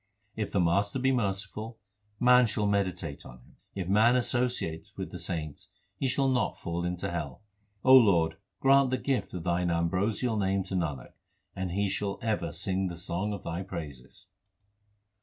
If the Master be merciful, man shall meditate on Him. If man associate with the saints, he shall not fall into hell. O Lord, grant the gift of Thine ambrosial name to Nanak, and he shall ever sing the song of Thy praises.